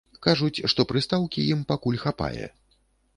Кажуць, што прыстаўкі ім пакуль хапае.